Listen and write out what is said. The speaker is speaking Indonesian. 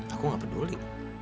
aku gak peduli